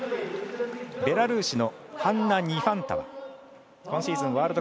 ベラルーシのハンナ・ニファンタワ。